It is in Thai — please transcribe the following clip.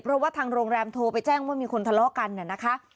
เพราะว่าทางโรงแรมโทรไปแจ้งว่ามีคนทะเลาะกัน